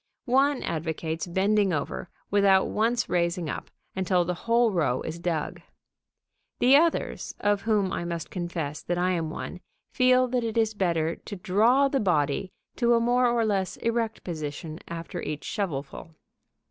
One advocates bending over, without once raising up, until the whole row is dug. The others, of whom I must confess that I am one, feel that it is better to draw the body to a more or less erect position after each shovelful.